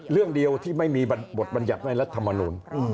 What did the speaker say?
เรื่องเดียวที่ไม่มีบทบัญญัติในรัฐมนูล